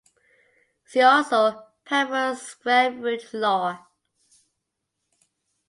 See also Penrose square root law.